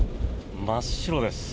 真っ白です。